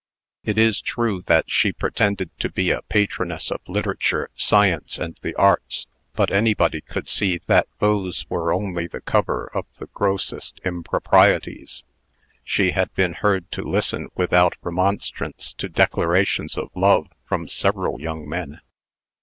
It is true that she pretended to be a patroness of literature, science, and the arts; but anybody could see that those things were only the cover of the grossest improprieties. She had been heard to listen without remonstrance, to declarations of love from several young men.